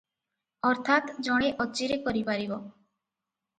ଅର୍ଥାତ ଜଣେ ଅଚିରେ କରିପାରିବ ।